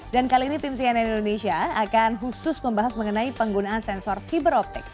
dan kali ini tim cnn indonesia akan khusus membahas mengenai penggunaan sensor fiberoptik